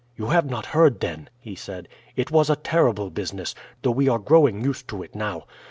"You have not heard, then?" he said. "It was a terrible business, though we are growing used to it now.